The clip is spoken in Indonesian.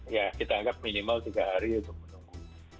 ya kita anggap minimal tiga hari untuk menunggu